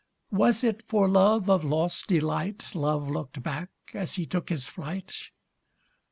Was it for love of lost delight Love looked back as he took his flight?